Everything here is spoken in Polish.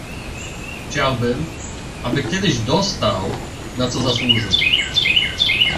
"Chciałbym, aby kiedyś dostał, na co zasłużył."